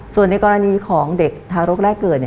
ส่วนในกรณีของเด็กทารกแรกเกิด